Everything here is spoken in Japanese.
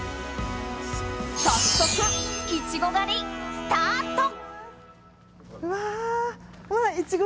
早速、イチゴ狩りスタート。